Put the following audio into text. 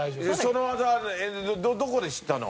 その技どこで知ったの？